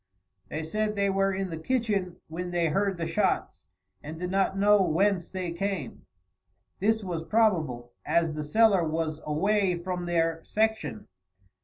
They said they were in the kitchen when they heard the shots, and did not know whence they came. This was probable, as the cellar was away from their section.